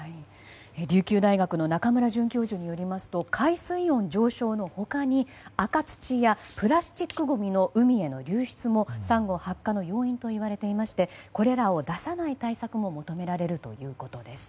琉球大学の中村准教授によりますと海水温上昇の他に赤土やプラスチックごみの海への流出もサンゴ白化の要因といわれましてこれらを出さない対策も求められるということです。